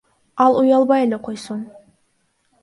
Ал уялбай эле койсун.